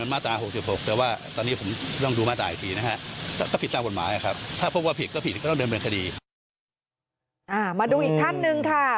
มาดูอีกท่านหนึ่งค่ะ